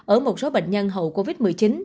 ở một số bệnh nhân hậu covid một mươi chín